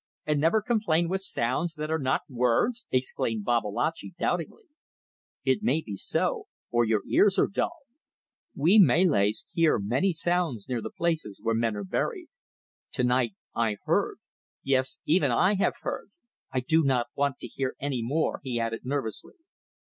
And never complain with sounds that are not words?" exclaimed Babalatchi, doubtingly. "It may be so or your ears are dull. We Malays hear many sounds near the places where men are buried. To night I heard ... Yes, even I have heard. ... I do not want to hear any more," he added, nervously.